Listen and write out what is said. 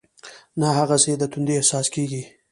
نه هغسې د تندې احساس کېږي.